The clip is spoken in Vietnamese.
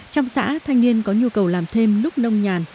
trong xã thanh niên có nhu cầu làm thêm lúc nông nhàn